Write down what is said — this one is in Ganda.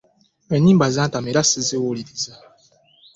Enyimba ze zantama era siziwuliriza.